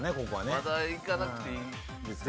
まだいかなくていいんですかね？